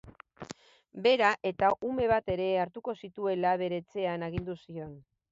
Bera eta ume bat ere hartuko zituela bere etxean agindu zion.